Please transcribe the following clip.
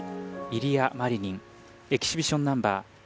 イリア・マリニンエキシビションナンバー